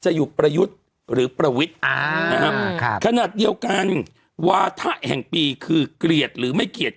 อยู่ประยุทธ์หรือประวิทย์ขนาดเดียวกันวาถะแห่งปีคือเกลียดหรือไม่เกลียด